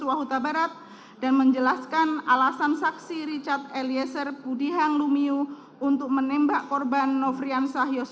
wahuda barat dan menjelaskan alasan saksi richard eliezer budi hanglumiu untuk menembak korban nofrian sahyus